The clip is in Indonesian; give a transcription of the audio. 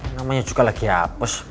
namanya juga lagi hapus